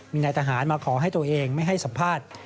มีนายทหารมาขอให้ตัวเองไม่ให้สัมภาษณ์